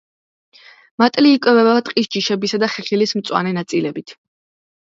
მატლი იკვებება ტყის ჯიშებისა და ხეხილის მწვანე ნაწილებით.